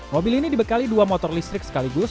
mobil ini dibekali dua motor listrik sekaligus